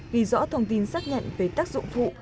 ghi rõ thông tin xác nhận về tác dụng phụ